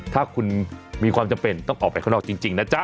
ถ้าคุณมีความจำเป็นต้องออกไปข้างนอกจริงนะจ๊